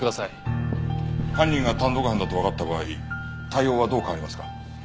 犯人が単独犯だとわかった場合対応はどう変わりますか？